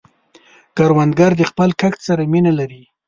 کروندګر د خپل کښت سره مینه لري